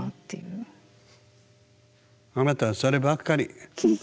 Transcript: あなたはそればっかり。